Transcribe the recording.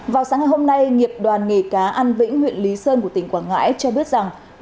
vào sáng ngày hôm nay nghiệp đoàn nghề cá an vĩnh huyện lý sơn của tỉnh quảng ngãi cho biết rằng